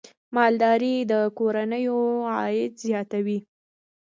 مالداري د کورنیو عاید زیاتوي.